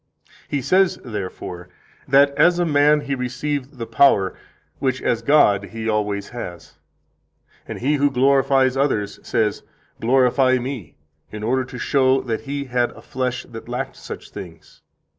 He says, therefore, that as a man He received the power, which as God He always has. And He who glorifies others says, 'Glorify Me,' in order to show that He had a flesh that lacked such things.